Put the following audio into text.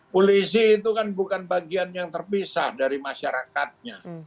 polisi itu kan bukan bagian yang terpisah dari masyarakatnya